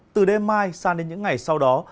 từ đêm mai sang đến những ngày sau đó